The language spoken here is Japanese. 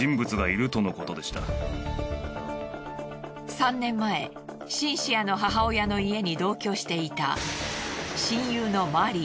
３年前シンシアの母親の家に同居していた親友のマリー。